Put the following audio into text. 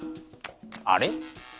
あれ？